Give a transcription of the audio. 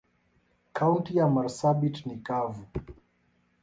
Kaunti ya marsabit ni kavu.